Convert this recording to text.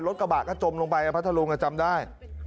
รถกระบะก็จมลงไปพัทธรุงจำได้